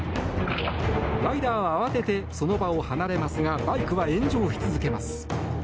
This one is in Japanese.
ライダーは慌ててその場を離れますがバイクは炎上し続けます。